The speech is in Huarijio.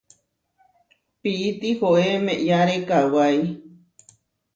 Pií tihoé meʼyáre kawái.